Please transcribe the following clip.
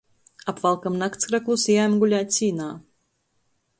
Apvalkam naktskraklus i ejam gulēt sīnā.